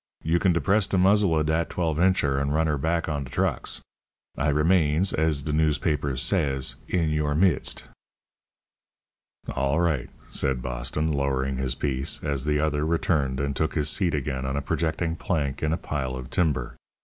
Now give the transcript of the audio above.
You can depress de muzzle of dat twelve incher, and run 'er back on de trucks. I remains, as de newspapers says, 'in yer midst.'" "All right," said Boston, lowering his piece, as the other returned and took his seat again on a projecting plank in a pile of timber.